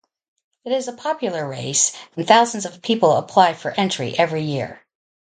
It is a popular race, and thousands of people apply for entry every year.